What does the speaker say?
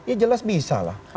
ya jelas bisa lah